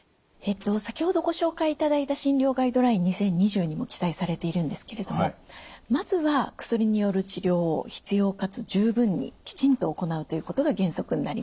先ほどご紹介いただいた「診療ガイドライン２０２０」にも記載されているんですけれどもまずは薬による治療を必要かつ十分にきちんと行うということが原則になります。